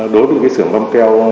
đối với cái sưởng băm keo